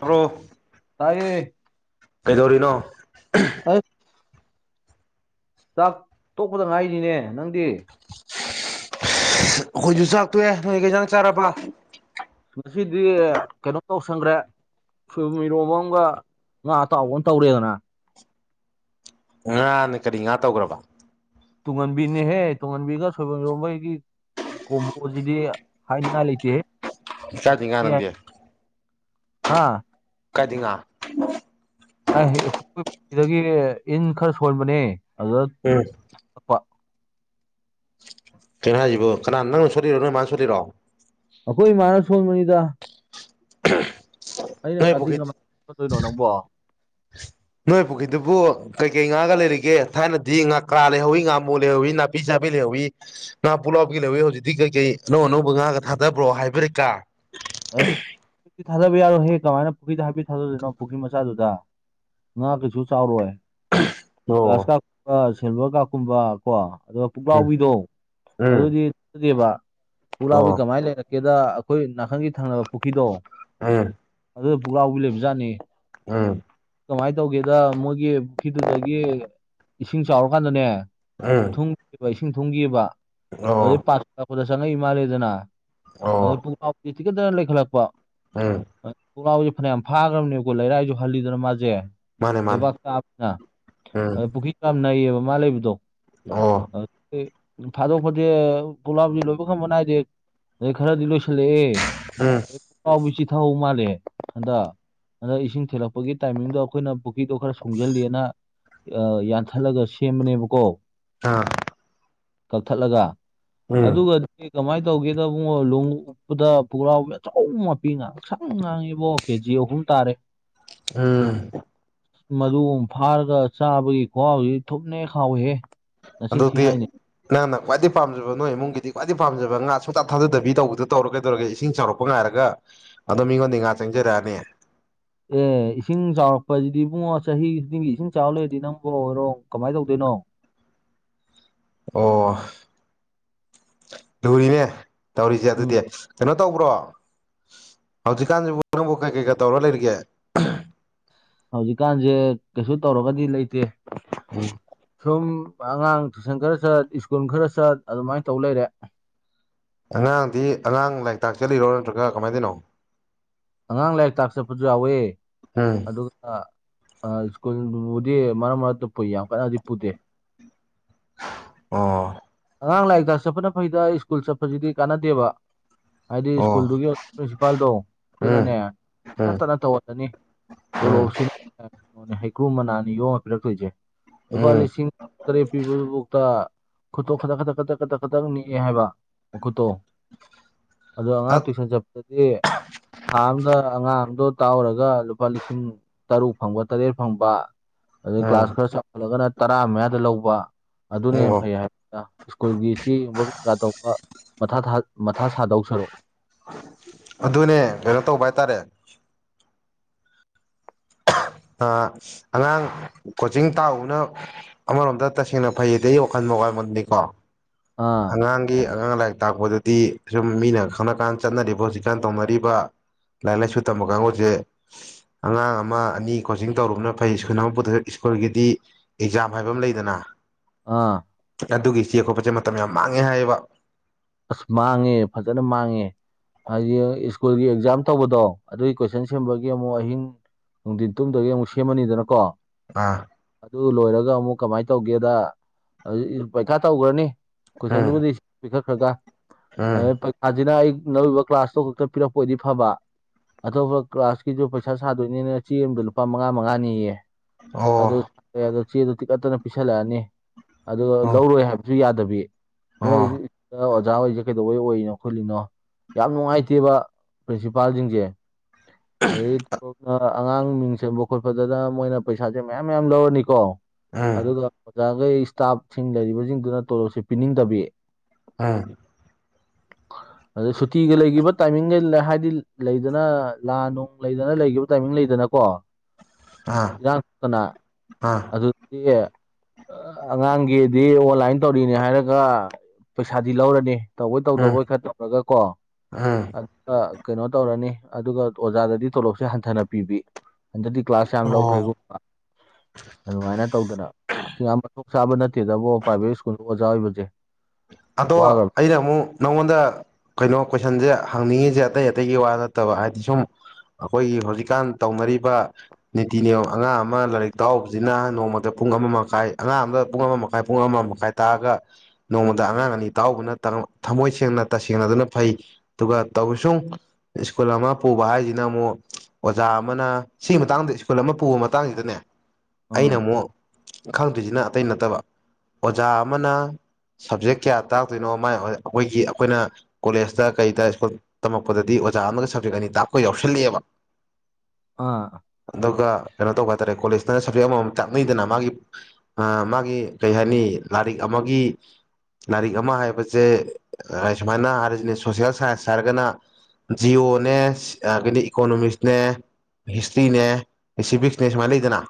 ꯔꯣꯍ ꯇꯥꯏꯌꯦ ꯀꯩꯗꯧꯔꯤꯅꯣ ꯍ ꯆꯥꯛ ꯇꯣꯛꯄꯗ ꯉꯥꯏꯅꯤꯅꯦ ꯅꯪꯗꯤ ꯑꯩꯈꯣꯏꯁꯨ ꯆꯥꯛꯇꯣꯛꯑꯦ ꯅꯣꯏ ꯀꯩꯖꯥꯛ ꯆꯥꯔꯕ ꯃꯁꯤꯗꯤ ꯀꯩꯅꯣ ꯇꯧꯁꯪꯈ꯭ꯔꯦ ꯐ ꯃꯤꯔꯣꯕ ꯑꯃꯒ ꯉꯥ ꯑꯇꯥꯎꯕ ꯑꯃ ꯇꯧꯔꯦꯗꯅ ꯉꯥꯅꯦ ꯀꯔꯤ ꯉꯥ ꯇꯧꯈ꯭ꯔꯕ ꯇꯨꯡꯉꯟꯕꯤꯅꯦꯍꯦ ꯇꯨꯡꯉꯟꯕꯤꯒ ꯁꯣꯏꯕꯨꯝ ꯏꯔꫭꯝꯕꯒꯤ ꯀꯣꯝꯕꯣꯖꯤꯗꯤ ꯍꯥꯏꯅꯤꯡꯉꯥꯏ ꯂꯩꯇꯦꯍꯦ ꯀꯥꯏꯗꯩ ꯉꯥ [unintelligible] ꯅꯪꯗꯤ ꯍꯥꯥ ꯀꯥꯏꯗꯩ ꯉꯥ ꯑꯩ ꯄꯨꯈꯤꯗꯒꯤ ꯏꯟ ꯈꯔ ꯁꯣꯟꯕꯅꯦ ꯑꯗꯨꯗ ꯎꯝ ꯊꯛꯄ ꯀꯩꯅꯣ ꯍꯥꯏꯖꯤꯕꯨ ꯀꯅꯥ ꯅꯪꯅ ꯁꫭꯜꯂꯤꯔꫭ ꯅꫭꯏ ꯃꯥꯅ ꯁꯣꯜꯂꯤꯔꫭ ꯑꯩꯈꯣꯏ ꯏꯃꯥꯅ ꯁꯣꯟꯕꯅꯤꯗ ꯑꯩꯅ ꯅꯣꯏ ꯀꯥꯊꯤ ꯄꯨꯈ꯭ꯔꯤ ꯀꯃꯥꯏꯅꯗꯣꯏꯅꯣ ꯅꯪꯕꯣ ꯅꯣꯏ ꯄꯨꯈ꯭ꯔꯤꯗꯨꯕꯨ ꯀꯩ ꯀꯩ ꯉꯥꯒ ꯂꯩꯔꯤꯒꯦ ꯊꯥꯏꯅꯗꯤ ꯉꯥꯀꯥ ꯂꯩꯍꯧꯋꯤ ꯉꯥꯃꯨ ꯂꯩꯍꯧꯋꯤ ꯄꯤꯖꯥ ꯄꯤ ꯂꯣ ꯉꯥ ꯄꯨꯂꯥꯎꯕꯒꯤ ꯂꯧꯋꯤ ꯍꯧꯖꯤꯛꯇꯤ ꯀꯩꯀꯩ ꯑꯅꯧ ꯑꯅꯧꯕ ꯉꯥꯒ ꯊꯥꯗꯕ꯭ꯔꯣ ꯍꯥꯏꯕꯔꯀꯥ ꯑ ꯊꯥꯗꯕ ꯌꯥꯔꯣꯍꯦ ꯀꯃꯥꯏꯅ ꯄꯨꯈ꯭ꯔꯤꯗ ꯍꯥꯏꯐꯄꯤꯠ ꯊꯥꯗꯗꯣꯏꯅꯣ ꯄꯨꯈ꯭ꯔꯤ ꯃꯆꯥꯗꯨꯗ ꯉꯥ ꯀꯩꯁꯨ ꯆꯥꯎꯔꯣꯏ ꯒ꯭ꯂꯥꯁ ꯑꯣ ꯀꯥꯞꯀꯨꯝꯕ ꯁꯤꯜꯚꯔ ꯀꯥꯞꯀꯨꯝꯕ ꯀꯣ ꯑꯗ ꯎꯝ ꯄꯨꯛꯂꯥꯎꯕꯤꯗꯣ ꯎꯝ ꯑꯗꯨꯗꯤꯠꯇꯦꯕ ꯄꯨꯛꯂꯥꯎꯕꯤ ꯑꯣ ꯀꯃꯥꯏꯅ ꯂꯩꯔ ꯀꯦꯗ ꯑꯩꯈꯣꯏ ꯅꯥꯀꯟꯒꯤ ꯊꯪꯅꯕ ꯄꯨꯈ꯭ꯔꯤꯗꯣ ꯑꯥ ꯑꯗꯨ ꯄꯨꯛ꯭ꯔꯥꯎꯕꯤ ꯂꯩꯕꯖꯥꯠꯅꯤ ꯎꯝ ꯀꯃꯥꯏ ꯇꯧꯒꯦꯗ ꯃꯣꯏꯒꯤ ꯄꯨꯈꯤꯗꯨꯗꯒꯤ ꯏꯁꯤꯡ ꯆꯥꯎꯔꯀꯥꯟꯗꯅꯦ ꯎꯝ ꯊꯨꯝꯉꯤꯕ ꯏꯁꯤꯡ ꯊꯨꯝꯉꯤꯕꯕ ꯑꯗꯨꯗꯩ ꯑꯣ ꯄꯥꯊꯔꯛꯄꯗ ꯆꯪꯉꯛꯏ ꯃꯥꯜꯂꯦꯗꯅ ꯑꯣ ꯑꯗ ꯄꯨꯛꯂꯥꯎꯕꯤ ꯇꯤꯡꯈꯠꯇꯅ ꯂꯩꯈꯠꯂꯛꯄ ꯎꯝ ꯑꯗ ꯄꯨꯛꯂꯥꯎꯕꯤꯖꯦ ꯐꯩꯅꯌꯥꯝ ꯐꯥꯒꯔꯕꯅꯦꯕꯀꯣ ꯂꯩꯔꯥꯏꯖꯨ ꯍꯜꯂꯤꯗꯅ ꯃꯥꯖꯦ ꯃꯥꯅꯦ ꯃꯥꯅꯦ ꯂꯩꯕꯥꯛ ꯆꯥꯕꯅ ꯎꯝ ꯑꯗ ꯄꯨꯈ꯭ꯔꯤ ꯌꯥꯝ ꯅꯩꯌꯦꯕ ꯃꯥ ꯂꯩꯕꯗꯣ ꯎꯝ ꯑꯗꯨꯒꯤ ꯊꯥꯗꯣꯛ ꯄꯖꯦ ꯄꫭꯛꯂꯥꯎꯕꯤ ꯂꯣꯏꯕ ꯈꯪꯝꯕ ꯅꯥꯏꯗꯦ ꯑꯗꯩ ꯈꯔꯗꯤ ꯂꯣꯏꯁꯜꯂꯛꯑꯦ ꯎꯝ ꯄꯨꯛꯂꯥꯎꯕꯤ ꯆꯤꯊ ꯍꯧ ꯃꯥꯜꯂꯦ ꯑꯗ ꯑꯗ ꯏꯁꯤꯡ ꯊꯤꯂꯛꯄꯒꯤ ꯇꯥꯏꯃꯤꯡꯗꯣ ꯑꯈꯣꯏꯅ ꯄꯨꯈ꯭ꯔꯤꯗꯣ ꯈꯔ ꯁꯣꯡꯖꯜꯂꯤꯅ ꯑ ꯌꯥꯟꯊꯠꯂꯒ ꯁꯦꯝꯕꯅꯦꯕꯀꯣ ꯑꯥ ꯀꯛꯊꯠꯂꯒ ꯎꯝ ꯑꯗꯨꯒꯗꯤ ꯀꯃꯥꯏ ꯇꯧꯒꯦꯗ ꯑꯃꯨꯛ ꯂꯣꯡꯎꯞ ꯎꯞꯄꯗ ꯄꯨꯛꯂꯥꯎꯕꯤ ꯑꯆꯧꯕ ꯃꯄꯤ ꯉꯛꯁꯪ ꯉꯥꯡꯉꯤꯕꯣ ꯀꯦ ꯖꯤ ꯑꯍꯨꯝ ꯇꯥꯔꯦ ꯎꯝ ꯃꯗꯨ ꯑꯝ ꯐꯥꯔꯒ ꯆꯥꯕꯒꯤ ꯈꯨꯍꯥꯎꯖꯤ ꯊꯨꯝꯅ ꯍꯦꯛ ꯍꯥꯎꯋꯤꯍꯦ ꯅꯆꯤꯟ ꯊꯤ ꯑꯗꯨꯗꯤ ꯍꯥꯏꯅꯤ ꯅꯪꯅ ꯈ꯭ꯋꯥꯏꯩ ꯄꯥꯝꯖꯕ ꯅꫭꯏ ꯏꯃꯨꯡꯒꯤꯗꯤ ꯈ꯭ꯋꯥꯏꯗ ꯄꯥꯝꯖꯕꯥ ꯉꯥ ꯁꯨꯡꯊꯥ ꯊꯥꯗꯕꯤ ꯇꯧꯔꫭ ꯀꯩꯗꯧꯔꯒꯦ ꯏꯁꯤꯡ ꯆꯥꯎꯔꯛꯄ ꯄ ꯉꯥꯏꯔꯒ ꯑꯗꯨꯝ ꯃꯤꯉꯣꯟꯗꯩ ꯉꯥꯥ ꯆꯪꯖꯔꯛꯑꯅꯤ ꯑꯦ ꯏꯁꯤꯡ ꯆꯥꯎꯔꯛꯄꯖꯤꯗꯤ ꯏꯕꯨꯡꯉꯣ ꯆꯍꯤ ꯈꯨꯗꯤꯡꯒꯤ ꯏꯁꯤꯡ ꯆꯥꯎꯔ ꯂꯩꯔꯗꯤ ꯅꯪꯕꫭ ꯍꫭꯏꯔꯣꯡ ꯀꯃꯥꯏ ꯇꯧꯗꯣꯏꯅꯣ ꯑꯣ ꯂꯨꯔꯤꯅꯦ ꯇꯧꯔꯤꯖꯦ ꯎꯝ ꯑꯗꯨꯗꯤ ꯀꯩꯅꯣ ꯇꯧꯕ꯭ꯔꯣ ꯍꯧꯖꯤꯛꯀꯥꯟꯖꯤꯕꯨ ꯅꯪꯕꯨ ꯀꯩ ꯀꯩꯒ ꯇꯧꯔ ꯂꯩꯔꯤꯒꯦ ꯍꯧꯖꯤꯛꯀꯥꯟꯖꯦ ꯀꯩꯁꯨ ꯇꯧꯔꯒꯗꯤ ꯂꯩꯇꯦ ꯎꯝ ꯁꯨꯝ ꯑꯉꯥꯡ ꯇꯨꯏꯁꯟ ꯈꯔ ꯆꯠ ꯏꯁ꯭ꯀꯨꯜ ꯈꯔ ꯆꯠ ꯑꯗꯨꯃꯥꯏ ꯇꯧ ꯂꯩꯔꯦ ꯑꯉꯥꯡꯗꯤ ꯑꯉꯥꯡ ꯂꯥꯏꯔꯤꯛ ꯇꯥꯛ ꯆꯠꯂꯤꯔꯣ ꯅꯠꯇ꯭ꯔꯒ ꯀꯃꯥꯏ ꯇꯧꯏꯅꯣ ꯑꯉꯥꯡ ꯂꯥꯏꯔꯤꯛ ꯇꯥꯛ ꯆꯠꯄꯖꯨ ꯌꯥꯎꯋꯦ ꯎꯝ ꯑꯗꯨꯒ ꯁ꯭ꯀꯨꯜꯕꯨꯗꯤ ꯃꯔꯛ ꯃꯔꯛꯇ ꯄꯨꯢ ꯌꯥꯝ ꯀꯟꯅꯗꯤ ꯄꯨꯗꯦ꯫ ꯑꯣ ꯑꯉꯥꯡ ꯂꯥꯏꯔꯤꯛ ꯇꯥꯛ ꯆꯠꯄꯅ ꯐꯩꯗ ꯁ꯭ꯀꯨꯜ ꯆꯠꯄꯁꯤꯗꯤ ꯀꯥꯟꯅꯗꯦꯕ꯫ ꯍꯥꯏꯗꯤ ꯑꯣ ꯁ꯭ꯀꯨꯜꯗꯨꯒꯤ ꯄ꯭ꯔꯤꯟꯁꯤꯄꯥꯜꯗꯣ ꯎꯝ ꯑꯗꯨꯅꯅꯦ ꯇꯤꯀꯠ ꯎꯝ ꯇꯅ ꯇꯧꯍꯜꯂꯅꯤ ꯎꯝ ꯇꯣꯂꯣꯞꯁꯤꯅ ꯍꯩꯀ꯭ꯔꯨ ꯃꯅꯥꯅꯤ ꯌꯣꯝꯃ ꯄꯤꯔꯛꯇꯣꯏꯁꯦ꯫ ꯂꯨꯄꯥ ꯎꯝ ꯂꯤꯁꯤꯡ ꯇꯔꯦꯠ ꯄꯤꯕꯗꯨꯕꯧꯇ ꯈꯨꯨꯠꯇꯣ ꯈꯗꯛ ꯈꯗꯛ ꯈꯇꯛ ꯈꯇꯛ ꯈꯇꯛ ꯅꯤꯛꯑꯦ ꯍꯥꯏꯕ ꯃꯈꯨꯠꯇꯣ ꯑꯗꯣ ꯑꯉꯥꯡ ꯑꯠ ꯇꯨꯏꯁꯟ ꯆꯠꯄ ꯗꯨꯗꯤ ꯊꯥ ꯑꯃꯗ ꯑꯉꯥꯡ ꯑꯃꯗꯣ ꯇꯥꯛꯎꯔꯒ ꯂꯨꯄꯥ ꯂꯤꯁꯤꯡ ꯇꯔꯨꯛ ꯐꯪꯕ ꯇꯔꯦꯠ ꯐꯪꯕ ꯑꯗ ꯎꯝ ꯀ꯭ꯂꯥꯁ ꯈꯔ ꯆꯥꯎꯈꯠꯂꯒꯅ ꯇꯔꯥ ꯃꯌꯥꯗ ꯂꯧꯕ ꯑꯗꯨꯅ ꯍꯦꯟꯅ ꯑꯣ ꯐꯩ ꯍꯥꯏ ꯗ ꯏꯁ꯭ꯀꯨꯜꯒꯤ ꯆꯦꯒꯨꯝꯕ ꯀꯩꯀꯥ ꯇꯧꯕ ꯃꯊꯥ ꯊꯥ ꯃꯊꯥ ꯁꯥꯗꯧ ꯁꯔꯨꯛ ꯑꯗꯨꯅꯦ ꯀꯩꯅꯣ ꯇꯧꯕ ꯍꯥꯏꯇꯥꯔꯦ ꯑꯍꯝ ꯑ ꯑꯉꯥꯡ ꯀꫭ ꯆꯤꯡ ꯇꯥꯔꯨꯕꯅ ꯑꯃꯔꯣꯝꯗ ꯇꯁꯦꯡꯅ ꯐꯩꯌꯦꯗꯤ ꯑꯩ ꯋꯥꯈꯜ ꯋꯥꯈꯜꯃꯅꯤꯀꯣ ꯑꯥ ꯑꯉꯥꯡꯒꯤ ꯑꯉꯥꯡ ꯂꯥꯏꯔꯤꯛ ꯇꯥꯛꯄꯗꯗꯤ ꯁꯨꯝ ꯃꯤꯅ ꯈꯪꯅ ꯀꯥꯟ ꯆꯠꯅꯔꯤꯕ ꯍꯧꯖꯤꯛꯀꯥꯟ ꯇꯧꯅꯔꯤꯕ ꯂꯥꯏꯔꯤꯛ ꯂꯥꯢꯁꯨ ꯇꯝꯕ ꯀꯥꯡꯕꯨꯁꯦ ꯑꯉꯥꯡ ꯑꯃ ꯑꯅꯤ ꯀꯣꯆꯤꯡ ꯇꯧꯔꯨꯕꯅ ꯐꯩ ꯁ꯭ꯀꯨꯜ ꯑꯃ ꯄꯨꯗꯧ ꯁ꯭ꯀꯨꯜꯒꯤꯗꯤ ꯑꯦꯛꯖꯥꯝ ꯍꯥꯏꯕ ꯑꯃ ꯂꯩꯗꯅ꯫ ꯑꯥ ꯑꯗꯨꯒꯤ ꯆꯦ ꯈꯣꯠꯄꯁꯦ ꯃꯇꯝ ꯌꯥꯝ ꯃꯥꯡꯉꯦ ꯍꯥꯏꯌꯦꯕ꯫ ꯑꯁ ꯃꯥꯡꯉꯦ ꯐꯖꯅ ꯃꯥꯡꯉꯦ꯫ ꯍꯥꯏꯗꯤ ꯁ꯭ꯀꯨꯜꯒꯤ ꯑꯦꯛꯖꯥꯝ ꯇꯧꯕꯗꯣ ꯑꯗꯨꯒꯤ ꯀꯣꯏꯁꯟ ꯁꯦꯝꯕꯒꯤ ꯑꯃꯨꯛ ꯑꯍꯤꯡ ꯅꯨꯡꯊꯤꯟ ꯇꯨꯝꯗꯕꯤ ꯑꯃꯨꯛ ꯁꯦꯝꯃꯅꯤꯗꯅꯀꯣ ꯑꯥ ꯑꯗꯨ ꯂꯣꯏꯔꯒ ꯑꯃꯨꯛ ꯀꯃꯥꯏꯅ ꯇꯧꯒꯦꯗ ꯑ ꯄꯩꯈꯥ ꯇꯧꯈ꯭ꯔꯅꯤ ꯎꯝ ꯀꯣꯏꯁꯟꯗꯨꯕꯨꯗꯤ ꯄꯤꯈꯠꯈ꯭ꯔꯒ ꯎꯝ ꯑꯗꯨ ꯄꯩꯈꯥꯁꯤꯅ ꯑꯩ ꯂꯧꯔꯤꯕ ꯀ꯭ꯂꯥꯁꯇꯣ ꯈꯛꯇ ꯄꯤꯔꯛꯄ ꯑꯣꯏꯗꯤ ꯐꯕ ꯑꯇꯣꯞꯄ ꯀ꯭ꯂꯥꯁꯀꯤꯁꯨ ꯄꯩꯁꯥ ꯁꯥꯗꯣꯏꯅꯤꯅ ꯆꯦ ꯑꯃꯗ ꯂꯨꯄꯥ ꯃꯉꯥ ꯃꯉꯥꯅꯤꯌꯦ ꯑꯗꯨ ꯑꯣ ꯆꯦ ꯆꯦꯗꯨ ꯇꯤꯛꯀꯠꯇꯅ ꯄꯤꯁꯜꯂꯛꯑꯅꯤ ꯑꯗꯨꯒ ꯑꯣ ꯂꯧꯔꯣꯏ ꯍꯥꯏꯕ ꯖꯨ ꯌꯥꯗꯕꯤ ꯅꯣꯏ ꯑꯣ ꯑꯣꯖꯥ ꯑꯣꯏꯁꯦ ꯀꯩꯗꯧꯕꯩ ꯑꯣꯏꯔꯤꯅꯣ ꯈꯣꯠꯂꯤꯅꯣ ꯌꯥꯝ ꯅꯨꯡꯉꯥꯏꯇꯦꯕ ꯄ꯭ꯔꯤꯟꯁꯤꯄꯥꯜꯁꯤꯡꯁꯦ ꯑꯗꯒꯤ ꯑꯉꯥꯡ ꯃꯤꯡ ꯆꯥꯡꯕ ꯈꯣꯠꯄꯗꯅ ꯃꯣꯏꯅ ꯄꯩꯁꯥꯁꯦ ꯃꯌꯥꯝ ꯃꯌꯥꯝ ꯂꯧꯔꯅꯤꯀꯣ ꯎꯝ ꯑꯗꯨꯒ ꯑꯣꯖꯥꯈꯩ ꯏꯁꯇꯥꯞꯁꯤꯡ ꯂꯩꯔꯤꯕꯁꯤꯡꯗꯨꯅ ꯇꯣꯂꯣꯞꯁꯦ ꯄꯤꯅꯤꯡꯗꯕꯤ ꯑꯥ ꯑꯗ ꯁꯨꯇꯤꯒ ꯂꯩꯒꯤꯈꯤꯕ ꯇꯥꯏꯃꯤꯡꯒ ꯍꯥꯏꯗꯤ ꯂꯩꯗꯅ ꯂꯥꯜ ꯅꯨꯡ ꯂꯩꯗꯅ ꯂꯩꯈꯤꯕ ꯇꯥꯏꯃꯤꯡ ꯂꯩꯗꯅꯀꯣ ꯑꯥ ꯀꯣ [inaudible] ꯑꯥ ꯑꯗꯨꯠꯇꯦ [inaudible] ꯑꯉꯥꯡꯒꯤꯗꯤ ꯑꯣꯟꯂꯥꯏꯟ ꯇꯧꯔꯤꯅꯦ ꯍꯥꯏꯔꯒ ꯄꯩꯁꯥꯗꯤ ꯂꯧꯔꯅꯤ ꯇꯧꯕꯣꯏ ꯎꯝ ꯇꯧꯗꯧꯕꯣꯏ ꯈꯔ ꯇꯧꯔꯒ ꯀꯣ ꯎꯝ ꯀꯩꯅꯣ ꯇꯧꯔꯅꯤ ꯑꯗꯨꯒ ꯑꯣꯖꯥꯗꯗꯤ ꯇꯣꯂꯣꯞꯁꯦ ꯍꯟꯊꯅ ꯄꯤꯕꯤ꯫ ꯍꯟꯗꯛꯇꯤ ꯀ꯭ꯂꯥꯁ ꯌꯥꯝ ꯑꯣ ꯂꯧꯈ꯭ꯔꯦꯒꯨꯝꯕ ꯑꯗꯨꯃꯥꯏꯅ ꯇꯧꯗꯅ ꯑꯁꯤ ꯌꯥꯝ ꯃꯊꯣꯡ ꯆꯥꯕ ꯅꯠꯇꯦꯗꯕꯣ ꯄ꯭ꯔꯥꯏꯚꯦꯠ ꯁ꯭ꯀꯨꯜꯗ ꯑꯣꯖꯥ ꯑꯣꯏꯕꯁꯦ꯫ ꯑꯗꯣ ꯋꯥꯒ꯭ꯔꯕ ꯑꯩꯅ ꯃꯨꯛ ꯅꯪꯉꯣꯟꯗ ꯀꯩꯅꯣ ꯀꯣꯏꯁꯟꯁꯦ ꯍꯪꯅꯤꯡꯉꯤꯁꯦ ꯑꯇꯩ ꯑꯇꯩꯒꯤ ꯋꯥ ꯅꯠꯇꯕ ꯍꯥꯏꯗꯤ ꯁꯨꯝ ꯑꯈꯣꯏꯒꯤ ꯍꯧꯖꯤꯛꯀꯥꯟ ꯇꯧꯅꯔꯤꯕ ꯅꯤꯇꯤ ꯅꯤꯌꯣꯝ ꯑꯉꯥꯡ ꯑꯃ ꯂꯥꯏꯔꯤꯛ ꯇꯥꯛꯎꯕꯁꯤꯅ ꯅꯣꯡꯃꯗ ꯄꯨꯡ ꯑꯃ ꯃꯈꯥꯏ ꯑꯉꯥꯡ ꯑꯝꯗ ꯄꯨꯡ ꯑꯃ ꯃꯈꯥꯏ ꯄꯨꯡ ꯑꯃ ꯃꯈꯥꯏ ꯇꯥꯛꯑꯒ ꯅꯣꯡꯃꯗ ꯑꯉꯥꯡ ꯑꯅꯤ ꯇꯥꯎꯕꯅ ꯊꯃꯣꯏ ꯁꯦꯡꯅ ꯇꯁꯦꯡꯅꯗꯨꯅ ꯐꯩ ꯑꯗꯨꯒ ꯇꯧꯁꯨꯡ ꯁ꯭ꯀꯨꯜ ꯑꯃ ꯄꯨꯕ ꯍꯥꯏꯁꯤꯅ ꯑꯃꯨꯛ ꯑꯣꯖꯥ ꯑꯃꯅ ꯁꯤꯒꯤ ꯃꯇꯥꯡꯗ ꯁ꯭ꯀꯨꯜ ꯑꯃ ꯄꯨꯕ ꯃꯇꯥꯡꯁꯤꯗꯅꯦ ꯑꯩꯅ ꯑꯥ ꯑꯃꯨꯛ ꯈꯪꯗꯣꯏꯁꯤꯅ ꯑꯇꯩ ꯅꯠꯇꯕ ꯑꯣꯖꯥ ꯑꯃꯅ ꯁꯕꯖꯦꯛ ꯀꯌꯥ ꯇꯥꯛꯇꯣꯏꯅꯣ ꯃ ꯑꯩꯈꯣꯏꯒꯤ ꯑꯩꯈꯣꯏꯅ ꯀꯣꯂꯦꯖꯇ ꯀꯩꯗ ꯁ꯭ꯀꯨꯜ ꯇꯝꯃꯛꯛꯄꯗꯗꯤ ꯑꯣꯖꯥ ꯑꯃꯒ ꯁꯕꯖꯦꯛ ꯑꯅꯤ ꯇꯥꯛꯞꯄ ꯌꯥꯎꯁꯜꯂꯤꯑꯦꯕ ꯑꯥ ꯑꯗꯨꯒ ꯀꯩꯅꯣ ꯇꯧꯕ ꯍꯥꯏꯇꯥꯔꯦ ꯀꯣꯂꯦꯖꯅ ꯁꯞꯖꯦꯛ ꯑꯃꯃꯝ ꯆꯥꯛꯅꯩꯗꯅ ꯃꯥꯒꯤ ꯑ ꯃꯥꯒꯤ ꯀꯩ ꯍꯥꯏꯅꯤ ꯂꯥꯏꯔꯤꯛ ꯑꯃꯒꯤ ꯂꯥꯏꯔꯤꯛ ꯑꯃ ꯍꯥꯏꯕꯁꯦ ꯁꯨꯃꯥꯏꯅ ꯍꯥꯏꯔꯤꯁꯤꯅꯦ ꯁꯣꯁꯦꯜ ꯁꯥꯏꯟꯁ ꯍꯥꯏꯔꯒꯅ ꯖꯤꯌꯑꯣꯅꯦ ꯀꯗꯤ ꯏꯀꯣꯅꯣꯃꯤꯛꯁꯅꯦ ꯍꯤꯁꯇ꯭ꯔꯤꯅꯦ ꯁꯤꯐꯤꯛꯁꯅꯦ ꯁꯨꯃꯥꯏꯅ ꯂꯩꯗꯅ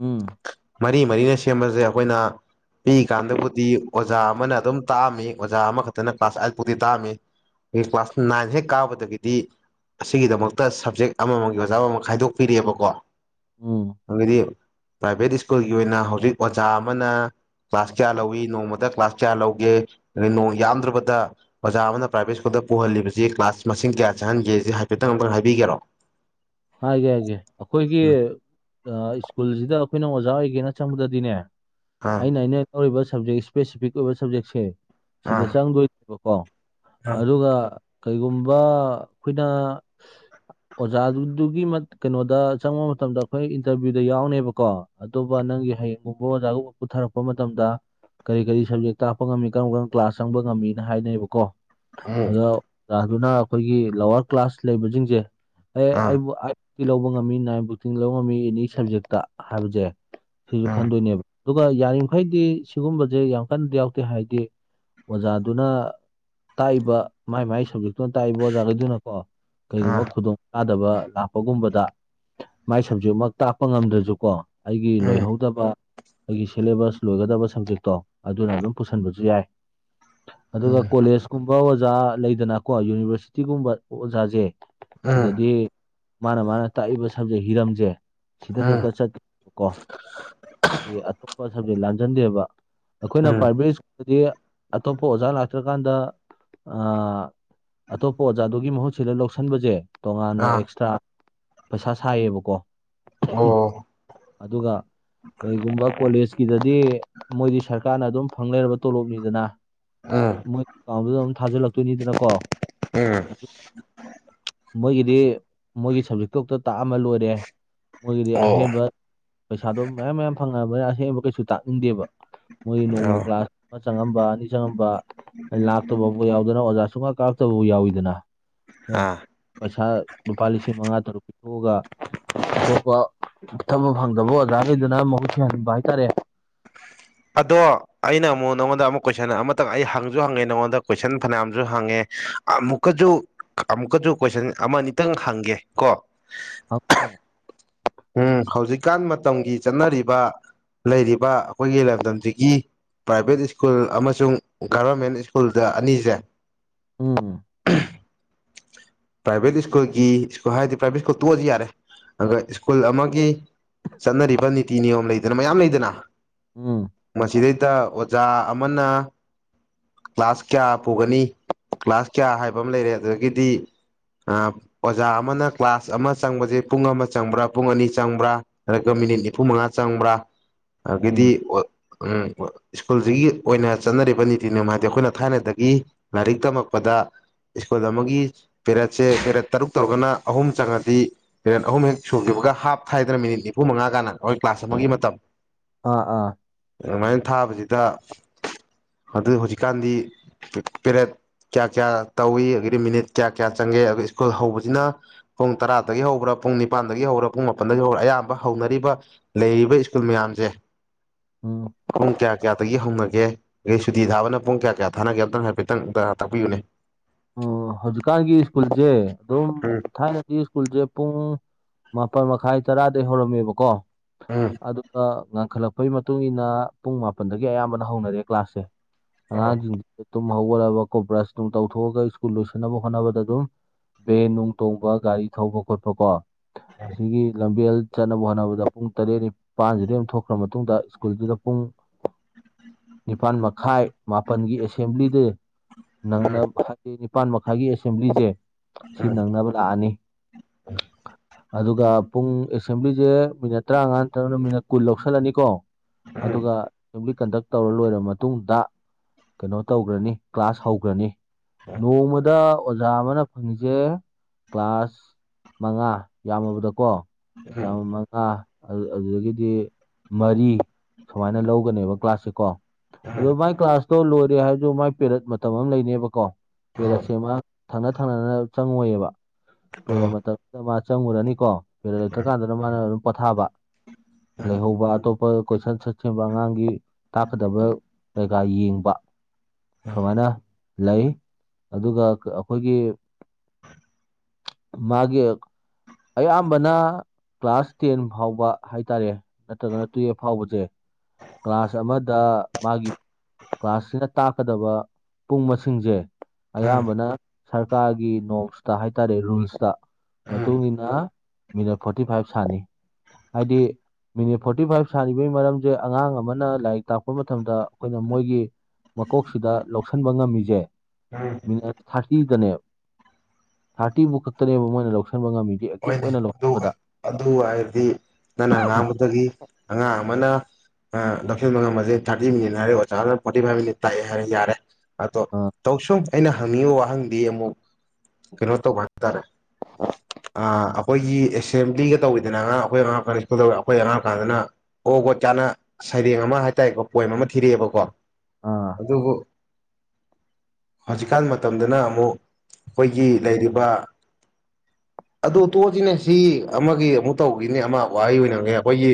ꯎꯝ ꯃꯔꯤ ꯃꯔꯤꯅ ꯁꯦꯝꯕꯁꯦ ꯑꯩꯈꯣꯏꯅ ꯄꯤꯛꯏ ꯀꯥꯟꯗꯕꯨꯗꯤ ꯑꯣꯖꯥ ꯑꯃꯅ ꯑꯗꯨꯝ ꯇꯥꯛꯑꯝꯃꯤ ꯑꯣꯖꯥ ꯑꯃꯈꯛꯇꯅ ꯀ꯭ꯂꯥꯁ ꯑꯥꯏꯠ ꯐꯥꯎꯗꯤ ꯇꯥꯛꯑꯝꯃꯤ ꯑꯩ ꯀ꯭ꯂꯥꯁ ꯅꯥꯏꯟ ꯍꯦꯛ ꯀꯥꯕꯗꯒꯤꯗꯤ ꯑꯁꯤꯒꯤꯗꯃꯛꯇ ꯁꯞꯖꯦꯛ ꯑꯃꯃ ꯑꯣꯖꯥ ꯑꯃ ꯈꯥꯏꯗꯣꯛꯄꯤꯔꯑꯦꯕꯀꯣ ꯎꯝ ꯍ [inaudible] ꯄ꯭ꯔꯥꯏꯚꯦꯠ ꯁ꯭ꯀꯨꯜꯒꯤ ꯑꯣꯏꯅ ꯍꯧꯖꯤꯛ ꯑꯣꯖꯥ ꯑꯃꯅ ꯀ꯭ꯂꯥꯁ ꯀꯌꯥ ꯂꯧꯋꯤ ꯅꯣꯡꯃ ꯀ꯭ꯂꯥꯁ ꯆꯌꯥꯔ ꯂꯧꯒꯦ ꯅꯅ ꯌꯥꯝꯗ꯭ꯔꯕꯗ ꯑꯣꯖꯥ ꯑꯃꯅ ꯄ꯭ꯔꯥꯏꯚꯦꯠ ꯁ꯭ꯀꯨꯜꯗ ꯄꯨꯍꯜꯂꯤꯕꯁꯤ ꯀ꯭ꯂꯥꯁ ꯃꯁꯤꯡ ꯀꯌꯥ ꯆꯪꯍꯟꯒꯦ ꯁꯤ ꯍꯥꯏꯐꯦꯠꯇꯪ ꯑꯃꯨꯛꯇꯪ ꯍꯥꯏꯕꯤꯒꯦꯔꯣ ꯍꯥꯏꯒꯦ ꯍꯥꯏꯒꯦ ꯑꯩꯈꯣꯏꯒꯤ ꯎꯝ ꯁ꯭ꯀꯨꯜꯁꯤꯗ ꯑꯩꯈꯣꯏꯅ ꯑꯣꯖꯥ ꯑꯣꯏꯒꯦꯅ ꯆꯪꯕꯗꯗꯤꯅꯦ ꯑꯥ ꯑꯩꯅ ꯑꯩꯅ ꯇꯧꯔꯤꯕ ꯁꯕꯖꯦꯛ ꯏꯁꯄꯦꯁꯤꯐꯤꯛ ꯑꯣꯏꯕ ꯁꯕꯖꯦꯛꯁꯦ ꯁꯤꯗ ꯑꯥ ꯆꯪꯗꯣꯏꯅꯦꯕꯀ ꯀꯣ ꯑꯥ ꯑꯗꯨꯒ ꯀꯩꯒꯨꯝꯕ ꯑꯩꯈꯣꯏꯅ ꯑꯣꯖꯥꯗꯨ ꯑꯗꯨꯒꯤ ꯀꯩꯅꯣꯗ ꯆꯪꯕ ꯃꯇꯝꯗ ꯑꯩꯈꯣꯏ ꯏꯟꯇꯔꯚꯤꯌꯨꯗ ꯌꯥꯎꯅꯦꯕꯀꯣ ꯑꯗꯨ ꯅꯪꯒꯤ ꯍꯌꯦꯡꯒꯨꯝꯕ ꯑꯣꯖꯥꯒꯕ ꯄꯨꯊꯔꯛꯄ ꯃꯇꯝꯗ ꯀꯔꯤ ꯀꯔꯤ ꯁꯕꯖꯦꯛ ꯇꯥꯛꯄ ꯉꯝꯃꯤ ꯀꯔꯝ ꯀꯔꯝꯕ ꯀ꯭ꯂꯥꯁ ꯆꯪꯕ ꯉꯝꯃꯤꯅ ꯍꯥꯏꯅꯩꯕ ꯀꯣ ꯎꯝ ꯑꯗꯣꯥ ꯔꯖꯨꯅ ꯑꯩꯈꯣꯏꯒꯤ ꯂꯋꯥꯔ ꯀ꯭ꯂꯥꯁ ꯂꯩꯕꯁꯤꯡꯁꯦ ꯑꯦ ꯑꯥ ꯑꯩꯕꯨ ꯑꯥꯏꯠ ꯂꯧꯕ ꯉꯝꯃꯤ ꯅꯥꯏꯟ ꯕꯨꯛꯇꯤꯡ ꯂꯧꯕ ꯉꯝꯃꯤ ꯑꯦꯅꯤ ꯁꯕꯖꯦꯛꯇ ꯍꯥꯏꯕꯁꯦ ꯁꯤꯁꯨ ꯑꯥ ꯈꯟꯗꯣꯏꯅꯦꯕ ꯑꯗꯨꯒ ꯌꯥꯔꯤꯈꯩꯗꯤ ꯁꯤꯒꯨꯝꯕꯁꯦ ꯌꯥꯝ ꯀꯟꯅꯗꯤ ꯌꯥꯎꯗꯦ ꯍꯥꯏꯗꯤ ꯑꯣꯖꯥꯗꯨꯅ ꯇꯥꯛꯏꯕ ꯃꯥꯏ ꯃꯥꯏ ꯁꯕꯖꯦꯛꯇꯨꯅ ꯇꯥꯛꯏꯕ ꯑꯣꯖꯥꯈꯩꯗꯨꯅꯀꯣ ꯑꯥ ꯀꯩꯒꯨꯝꯕ ꯈꯨꯗꯣꯡ ꯆꯥꯗꯕ ꯂꯄ ꯒꯨꯝꯕꯗ ꯃꯥꯏ ꯁꯕꯖꯦꯛꯃꯛ ꯇꯥꯛꯄ ꯉꯝꯗ꯭ꯔꯁꯨꯀꯣ ꯑꯩꯒꯤ ꯎꯝ ꯂꯣꯏꯍꯧꯗꯕ ꯑꯩꯒꯤ ꯁꯤꯂꯦꯕꯁ ꯂꯣꯏꯒꯗꯕ ꯁꯕꯖꯦꯛꯇꯣ ꯑꯗꯨꯅ ꯑꯗꯨꯝ ꯄꯨꯁꯤꯟꯕꯁꯨ ꯌꯥꯏ ꯑꯗꯨꯒ ꯎꯝ ꯀꯣꯂꯦꯖꯀꯨꯝꯕ ꯑꯣꯖꯥ ꯂꯩꯗꯅꯀꯣ ꯌꯨꯅꯤꯚꯔꯁꯤꯇꯤꯒꯨꯝꯕ ꯑꯣꯖꯥꯁꯦ ꯎꯝ ꯁꯤꯗꯗꯤ ꯃꯥꯅ ꯃꯥꯅ ꯇꯥꯛꯏꯕ ꯁꯕꯖꯦꯛ ꯍꯤꯔꯝꯁꯦ ꯁꯤꯗ ꯎꯝ ꯈꯛꯇ ꯆꯠ ꯀꯣ ꯑꯇꯣꯞꯄ ꯁꯕꯖꯦꯛ ꯂꯥꯟꯖꯟꯗꯦꯕ ꯑꯩꯈꯣꯏꯅ ꯎꯝ ꯄ꯭ꯔꯥꯏꯚꯦꯠ ꯁ꯭ꯀꯨꯜꯗꯗꯤ ꯑꯇꯣꯞꯄ ꯑꯣꯖꯥ ꯂꯥꯛꯇ꯭ꯔꯀꯥꯟꯗ ꯑꯥ ꯑꯇꯣꯞꯄ ꯑꯣꯖꯥꯗꯨꯒꯤ ꯃꯍꯨꯠ ꯁꯤꯗ ꯂꯧꯁꯤꯟꯕꯁꯦ ꯇꯣꯉꯥꯟꯅ ꯑꯥ ꯑꯦꯛꯁꯇ꯭ꯔꯥ ꯄꯩꯁꯥ ꯁꯥꯏꯌꯦꯕꯀꯣ ꯑꯣ ꯑꯗꯨꯒ ꯀꯔꯤꯒꯨꯝꯕ ꯀꯣꯂꯦꯖꯀꯤꯗꯗꯤ ꯃꯣꯏꯗꯤ ꯁꯔꯀꯥꯔꯅ ꯑꯗꯨꯝ ꯐꯪ ꯂꯩꯔꯕ ꯇꯣꯂꯣꯞꯅꯤꯗꯅ ꯎꯝ ꯃꯣꯏ ꯑꯀꯥꯎꯗꯨꯗ ꯑꯗꯨꯝ ꯊꯥꯖꯤꯜꯂꯛꯇꯣꯏꯅꯤꯗꯅꯀꯣ ꯑꯥ ꯑꯗꯨ ꯃꯣꯏꯒꯤꯗꯤ ꯃꯣꯏꯒꯤ ꯁꯕꯖꯦꯛꯇꯛꯇ ꯇꯥꯛꯑꯃ ꯂꯣꯏꯔꯦ ꯃꯣꯏꯒꯤꯗꯤ ꯑꯣ ꯑꯍꯦꯟꯕ ꯄꯩꯁꯥꯗꯣ ꯃꯌꯥꯝ ꯃꯌꯥꯝ ꯐꯪꯉꯛꯑꯕꯅꯤꯅ ꯑꯍꯦꯡꯕ ꯀꯩꯁꯨ ꯇꯥꯛꯅꯤꯡꯗꯦꯕ ꯃꯣꯏ ꯅꯣꯡꯃ ꯑꯣ ꯀ꯭ꯂꯥꯁ ꯑꯃ ꯆꯪꯉꯝꯕ ꯑꯅꯤ ꯆꯪꯉꯝꯕ ꯂꯥꯛꯇꯕꯕꯨ ꯌꯥꯎꯗꯅ ꯑꯣꯖꯥ ꯁꯨꯡꯃ ꯀꯥꯔꯛꯇꯕꯕꯨ ꯌꯥꯎꯋꯤꯗꯅ ꯑꯥ ꯄꯩꯁꯥ ꯂꯨꯄꯥ ꯂꯤꯁꯤꯡ ꯃꯉꯥ ꯇꯔꯨꯛ ꯄꯤꯊꯣꯛꯑꯒ ꯑꯇꯣꯞꯄ ꯊꯕ ꯐꯪꯗꯕ ꯑꯣꯖꯥꯈꯩꯗꯨꯅ ꯃꯍꯨꯠ ꯊꯍꯟꯕ ꯍꯥꯏꯇꯥꯔꯦ ꯑꯗꯣ ꯑꯩꯅ ꯑꯃꯨꯛ ꯅꯪꯉꯣꯟꯗ ꯑꯃꯨꯛ ꯀꯣꯏꯁꯟ ꯑꯃꯇꯪ ꯑꯩ ꯍꯪꯁꯨ ꯍꯪꯉꯦ ꯅꯪꯉꯣꯟꯗ ꯀꯣꯏꯁꯟ ꯐꯅꯌꯥꯝꯁꯨ ꯍꯪꯉꯦ ꯑꯃꯨꯛꯀꯁꯨ ꯑꯃꯨꯛꯀꯁꯨ ꯀꯣꯏꯁꯟ ꯑꯃ ꯑꯅꯤꯇꯪ ꯍꯪꯒꯦ ꯀꯣ ꯍꯪꯑꫭ ꯍꯪꯑꫭ ꯎꯝ ꯍꯧꯖꯤꯛꯀꯥꯟ ꯃꯇꯝꯒꯤ ꯆꯠꯅꯔꯤꯕ ꯂꯩꯔꯤꯕ ꯑꯩꯈꯣꯏꯒꯤ ꯂꯝꯗꯝꯁꯤꯒꯤ ꯄ꯭ꯔꯥꯏꯚꯦꯠ ꯁ꯭ꯀꯨꯜ ꯑꯃꯁꯨꯡ ꯒꯕꯔꯃꯦꯟ ꯁ꯭ꯀꯨꯜꯗ ꯑꯅꯤꯁꯦ ꯎꯝ ꯄ꯭ꯔꯥꯏꯚꯦꯠ ꯁ꯭ꯀꯨꯜꯒꯤ ꯁꯀꯨ ꯍꯥꯏꯗꯤ ꯄ꯭ꯔꯥꯏꯚꯦꯠ ꯁ꯭ꯀꯨꯜ ꯇꯣꯛꯑꯁꯤ ꯌꯥꯔ ꯑꯗꯨꯒ ꯁꯀꯨꯜ ꯑꯃꯒꯤ ꯆꯠꯅꯔꯤꯕ ꯅꯤꯇꯤ ꯅꯤꯌꯣꯝ ꯂꯩꯗꯅ ꯃꯌꯥꯝ ꯂꯩꯗꯅ ꯎꯝ ꯃꯁꯤꯗꯩꯗ ꯑꯣꯖꯥ ꯑꯃꯅ ꯀ꯭ꯂꯥꯁ ꯀꯌꯥ ꯄꯨꯒꯅꯤ ꯀ꯭ꯂꯥꯁ ꯀꯌꯥ ꯍꯥꯏꯕ ꯑꯃ ꯂꯩꯔꯦ ꯑꯗꯨꯗꯒꯤꯗꯤ ꯑꯣꯖꯥ ꯑꯃꯅ ꯀ꯭ꯂꯥꯁ ꯑꯃ ꯆꯪꯕꯁꯦ ꯄꯨꯡ ꯑꯃ ꯆꯪꯕ꯭ꯔꯥ ꯄꯨꯡ ꯑꯅꯤ ꯆꯪꯕ꯭ꯔꯥ ꯅꯒ ꯃꯤꯅꯤꯠ ꯅꯤꯐꯨ ꯃꯉꯥ ꯆꯪꯕ꯭ꯔꯥ ꯑꯗꯒꯤꯗꯤ ꯎꯝ UNINTELLIGIBLE ꯁ꯭ꯀꯨꯜꯁꯤꯒꯤ ꯑꯣꯏꯅ ꯆꯠꯅꯔꯤꯕ ꯅꯤꯇꯤ ꯅꯤꯃꯥꯗꯤ ꯑꯩꯈꯣꯏꯅ ꯊꯥꯏꯅꯗꯒꯤ ꯂꯥꯏꯔꯤꯛ ꯇꯝꯃꯛꯄꯗ ꯁ꯭ꯀꯨꯜ ꯑꯃꯒꯤ ꯄꯦꯔꯦꯠꯁꯦ ꯄꯦꯔꯦꯠ ꯇꯔꯨꯛ ꯇꯧꯔꯒꯅ ꯑꯍꯨꯝ ꯆꯪꯉꯛꯄꯤ ꯄꯦꯔꯦꯠ ꯑꯍꯨꯝ ꯍꯦꯛ ꯁꯨꯈꯤꯕꯒ ꯍꯥꯞ ꯊꯥꯏꯗꯅ ꯃꯤꯅꯤꯠ ꯅꯤꯐꯨ ꯃꯉꯥ ꯀꯥꯟꯅ ꯍꯣꯏ ꯀ꯭ꯂꯥꯁ ꯑꯃꯒꯤ ꯃꯇꯝ ꯑꯥ ꯑꯥ ꯑꯗꯨꯃꯥꯏꯅ ꯊꯥꯕꯁꯤꯗ ꯑꯗꯨ ꯍꯧꯖꯤꯛꯀꯥꯟꯗꯤ ꯄꯦꯔꯦꯠ ꯀꯌꯥ ꯀꯌꯥ ꯇꯧꯏꯤ ꯑꯗꯒꯤꯗꯤ ꯃꯤꯅꯤꯠ ꯀꯌꯥ ꯀꯌꯥ ꯆꯪꯒꯦ ꯑꯗꯨꯒ ꯁ꯭ꯀꯨꯜ ꯍꯧꯕꯁꯤꯅ ꯄꯨꯡ ꯇꯔꯥꯗꯒꯤ ꯍꯧꯕ꯭ꯔꯥ ꯄꯨꯡ ꯅꯤꯄ ꯅꯤꯄꯥꯟꯗꯒꯤ ꯍꯧꯔ ꯄꯨꯡ ꯃꯥꯄꯟꯗꯒꯤ ꯍꯧꯔ ꯑꯌꯥꯝꯕ ꯍꯧꯅꯔꯤꯕ ꯂꯩꯔꯤꯕ ꯁ꯭ꯀꯨꯜ ꯃꯌꯥꯝꯁꯦ ꯎꯝ ꯄꯨꯡ ꯀꯌꯥ ꯀꯌꯥꯗꯒꯤ ꯍꯧꯅꯒꯦ ꯑꯩ ꯁꯨꯇꯤ ꯊꯥꯕꯅ ꯄꯨꯡ ꯀꯌꯥ ꯀꯌꯥ ꯊꯥꯅꯒꯦ ꯑꯝꯇꯪ ꯍꯥꯏꯐꯦꯠꯇꯪ ꯇꯥꯛꯄꯤꯌꯨꯅꯦ ꯑꯣ ꯍꯧꯖꯤꯛꯀꯥꯟꯒꯤ ꯁ꯭ꯀꯨꯜꯁꯦ ꯑꯗꯨꯝ ꯎꯝ ꯊꯥꯏꯅꯗꯤ ꯁ꯭ꯀꯨꯜꯁꯦ ꯄꯨꯡ ꯃꯥꯄꯜ ꯃꯈꯥꯏ ꯇꯔꯥꯗꯩ ꯍꯧꯔꯝꯃꯦꯕꯀꯣ ꯎꯝ ꯑꯗꯨꯒ ꯉꯟꯈꯠꯂꯛꯄꯩ ꯃꯇꯨꯡ ꯏꯟꯅ ꯄꯨꯡ ꯃꯥꯄꯟꯗꯒꯤ ꯑꯌꯥꯝꯕꯅ ꯍꯧꯅꯔꯦ ꯀ꯭ꯂꯥꯁꯁꯦ ꯑꯣ ꯑꯉꯥꯡꯁꯤꯡꯁꯤꯁꯨ ꯇꯨꯝ ꯍꯧꯒꯠꯂꯕ ꯈꯣꯠꯄ꯭ꯔ ꯕ꯭ꯔꯁ ꯅꯨꯡ ꯆꯊꯣꯛꯑꯒ ꯁ꯭ꯀꯨꯜ ꯂꯣꯏꯁꯤꯟꯅꯕ ꯍꯣꯠꯅꯕꯗ ꯑꯗꯨꯝ ꯕꯦꯟ ꯅꯨꯡ ꯇꯣꯡꯕ ꯒꯥꯔꯤ ꯊꯧꯕ ꯈꯣꯠꯄ ꯀꯣ ꯁꯤꯒꯤ ꯂꯝꯕꯤ ꯆꯠꯅꯕ ꯍꯣꯠꯅꯕꯗ ꯄꯨꯡ ꯇꯔꯦꯠ ꯅꯤꯄꯥꯥꯟꯁꯤꯗꯒꯤꯩ ꯑꯃ ꯊꯣꯛꯈ꯭ꯔ ꯃꯇꯨꯡꯗ ꯁ꯭ꯀꯨꯜꯗꯨꯗ ꯄꯨꯡ ꯅꯤꯄꯥꯥꯟ ꯃꯈꯥꯏ ꯃꯥꯄꯜꯒꯤ ꯑꯦꯁꯦꯝꯕ꯭ꯂꯤꯗ ꯎꯝ ꯅꯪꯅꯕ ꯍꯥꯏꯗꯤ ꯅꯤꯄꯥꯜ ꯃꯈꯥꯏꯒꯤ ꯑꯦꯁꯦꯝꯕ꯭ꯂꯤꯁꯦ ꯁꯤ ꯎꯝ ꯅꯪꯅꯕ ꯂꯥꯛꯑꯅꯤ ꯑꯗꯨꯒ ꯄꯨꯡ ꯑꯦꯁꯦꯝꯕ꯭ꯂꯤꯁꯦ ꯃꯤꯅꯠ ꯇꯔꯥꯃꯉꯥ ꯅꯠꯇ꯭ꯔꯒꯅ ꯃꯤꯅꯠ ꯀꯨꯟ ꯂꯧꯁꯜꯂꯅꯤꯀꯣ ꯑꯗꯨꯒ ꯑꯦꯁꯦꯝꯕ꯭ꯂꯤ ꯀꯟꯗꯛ ꯇꯧꯔ ꯂꯣꯏꯔꯕ ꯃꯇꯨꯡꯗ ꯀꯩꯅꯣ ꯇꯧꯈ꯭ꯔꯅꯤ ꯀ꯭ꯂꯥꯁ ꯍꯧꯈ꯭ꯔꯅꯤ ꯅꯣꯡꯃꯗ ꯑꯣꯖꯥ ꯑꯃꯅ ꯐꯪꯉꯤꯁꯦ ꯀ꯭ꯂꯥꯁ ꯃꯉꯥ ꯌꯥꯝꯃꯕꯗꯀꯣ ꯎꯝ ꯆꯥ ꯃꯉꯥ ꯑꯗꯨꯗꯒꯤꯗꯤ ꯃꯔꯤ ꯁꯨꯃꯥꯏꯅ ꯂꯧꯒꯅꯦꯕ ꯀ꯭ꯂꯥꯁꯁꯦ ꯀꯣ ꯎꯝ ꯎꯝ ꯑꯗꯣ ꯃꯥꯏ ꯀ꯭ꯂꯥꯁ ꯇꯣ ꯂꯣꯏꯔꯦ ꯍꯥꯏꯔꯁꯨ ꯃꯥꯏ ꯄꯦꯔꯠ ꯃꯇꯝ ꯑꯃ ꯂꯩꯅꯦꯕꯀꯣ ꯑꯣ ꯄꯦꯔꯠꯁꯦ ꯃꯥ ꯊꯪꯅ ꯊꯪꯅꯅ ꯆꯪꯉꯣꯏꯌꯦꯕ ꯄꯦꯔ ꯃꯇꯝꯁꯤꯗ ꯃꯥ ꯆꯪꯉꯨꯔꯅꯤꯀꯣ ꯄꯦꯔ ꯂꯩꯊ ꯀꯥꯟꯗꯅ ꯃꯥꯅ ꯑꯗꯨꯝ ꯄꯣꯊꯥꯕ ꯂꯩꯍꯧꯕꯣꯞ ꯀꯣꯏꯁ ꯆꯠ ꯉꯥꯡꯒꯤ ꯇꯥꯛꯀꯗꯕ ꯀꯩꯀꯥ ꯌꯦꯡꯕ ꯁꯨꯃꯥꯏꯅ ꯂꯩ ꯑꯗꯨꯒ ꯑꯩꯈꯣꯏꯒꯤ ꯃꯥꯒꯤ ꯑꯌꯥꯝꯕꯅ ꯀ꯭ꯂꯥꯁ ꯇꯦꯟ ꯐꯥꯎꯕ ꯍꯥꯏꯇꯥꯔꯦ ꯅꯠꯇ꯭ꯔꯒꯅ ꯇꯨꯌꯦꯜꯞ ꯐꯥꯎꯕꯁꯦ ꯀ꯭ꯂꯥꯁ ꯑꯃꯗ ꯃꯥꯒꯤ ꯀ꯭ꯂꯥꯁꯁꯤꯅ ꯇꯥꯛꯀꯗꯕ ꯄꯨꯡ ꯁꯤꯡꯁꯦ ꯎꯝ ꯎꯝ ꯑꯌꯥꯝꯕꯅ ꯁꯔꯀꯥꯔꯒꯤ ꯅꯣꯁꯇ ꯍꯥꯏꯇꯥꯔꯦ ꯔꯨꯜꯁꯇ ꯃꯇꯨꯡ ꯎꯝ ꯃꯇꯨꯡꯏꯟꯅ ꯃꯤꯅꯠ ꯐꯣꯔꯇꯤ ꯐꯥꯏꯚ ꯁꯅꯤ ꯍꯥꯏꯗꯤ ꯃꯤꯅꯤꯠ ꯐꯣꯔꯇꯤ ꯐꯥꯏꯚ ꯁꯥꯔꯤꯕꯒꯤ ꯃꯔꯝꯁꯦ ꯑꯉꯥꯡ ꯑꯃꯅ ꯂꯥꯏꯔꯤꯛ ꯇꯥꯛꯄ ꯃꯇꯝꯗ ꯑꯩꯈꯣꯏꯅ ꯃꯣꯏꯒꯤ ꯃꯀꯣꯛꯁꯤꯗ ꯂꯧꯁꯤꯟꯕ ꯉꯝꯃꯤꯁꯦ ꯎꯝ ꯃꯤ ꯊꯥꯔꯇꯤꯗꯅꯦꯕ ꯊꯥꯔꯇꯤꯕꯨ ꯈꯛꯇꯅꯦꯕ ꯃꯣꯏꯅ ꯂꯧꯁꯤꯟꯕ ꯉꯝꯃꯤ ꯍꯣꯅꯦ ꯑꯗꯨꯒ ꯑꯗꯨ ꯍꯥꯏꯔꯗꯤ ꯅꯪꯅ ꯉꯥꯡꯕꯗꯒꯤ ꯑꯉꯥꯡ ꯑꯃꯥꯅ ꯑꯥ ꯂꯧꯁꯤꯟꯕ ꯅꯝꯃꯗꯤ ꯊꯥꯔꯇꯤ ꯃꯤꯅꯤꯠ ꯍꯥꯏꯔꯒ ꯑꯣꯖꯥꯅ ꯐꯣꯔꯇꯤ ꯐꯥꯏꯞ ꯃꯤꯅꯤꯠ ꯇꯥꯛꯑꯦ ꯍꯥꯏꯔ ꯌꯥꯔꯦ ꯑꯗꯣ ꯑ ꯇꯧꯁꯨꯝ ꯑꯩꯅ ꯍꯪꯉꯉꯤꯕ ꯋꯥꯍꯪꯗꯤ ꯑꯃꯨꯛ ꯀꯩꯅꯣ ꯇꯧꯕ ꯍꯥꯏꯇꯔꯦ [unintelligible] ꯑꯥ ꯑꯩꯈꯣꯏꯒꯤ ꯑꯦꯁꯦꯝꯕ꯭ꯂꯤꯒ ꯇꯧꯋꯤꯗꯅ ꯑꯉꯥꯡ ꯑꯩꯈꯣꯏ ꯑꯉꯥꯡ [unintelligible] ꯑꯩꯈꯣꯏ ꯑꯉꯥꯡ ꯑꯣꯏꯔꯀꯥꯟꯗꯅ ꯀꯣꯒꯣꯠ ꯀꯥꯅ ꯁꯩꯔꯦꯡ ꯑꯃ ꯍꯥꯏꯇꯥꯔꯦꯀꯣ ꯄꯣꯏꯝ ꯑꯃ ꯊꯤꯔꯛꯑꯦꯕꯀꯣ ꯑ ꯑꯗꯨꯕꯨ ꯍꯧꯖꯤꯛꯀꯥꯟ ꯃꯇꯝꯗꯅ ꯑꯃꯨꯛ ꯑꯩꯈꯣꯏꯒꯤ ꯂꯩꯔꯤꯕ ꯑꯗꯨ ꯇꯣꯛꯑꯁꯤꯅꯦ ꯁꯤ ꯑꯃꯒꯤ ꯑꯃꯨꯛ ꯇꯧꯈꯤꯅꯦ ꯑꯃ ꯋꯥꯍꯩ ꯑꯣꯏꯅꯅꯦ ꯑꯩꯈꯣꯏꯒꯤ